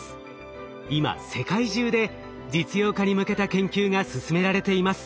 今世界中で実用化に向けた研究が進められています。